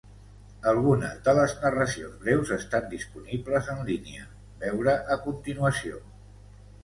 Algunes de les narracions breus estan disponibles en línia; veure a continuació.